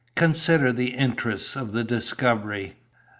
'Consider the interest of the discovery.